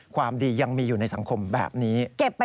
ความดียังมีอยู่ในสังคมแบบนี้